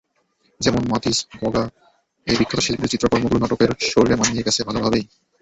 যেমন মাতিস, গঁগা—এই বিখ্যাত শিল্পীদের চিত্রকর্মগুলো নাটকের শরীরে মানিয়ে গেছে ভালোভাবেই।